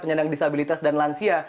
penyandang disabilitas dan lansia